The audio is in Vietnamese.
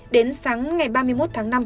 đến sáng ngày ba mươi một tháng năm